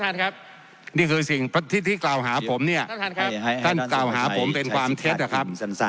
ท่านครับนี่คือสิ่งที่กล่าวหาผมเนี่ยท่านกล่าวหาผมเป็นความเท็จนะครับ